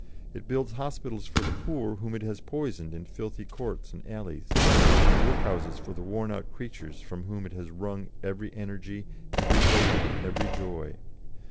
It builds hospitals for the poor whom it has poisoned in filthy courts and alleys, and workhouses for the worn out creatures from whom it has wrung every energy, every hope, every joy.